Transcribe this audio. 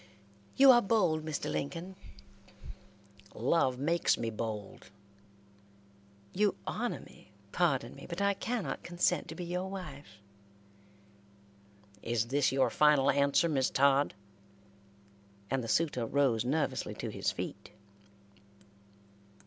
"You are bold, Mr. Lincoln." "Love makes me bold." "You honor me, pardon me, but I cannot consent to be your wife." "Is this your final answer, Miss Todd?" and the suitor rose nervously to his feet.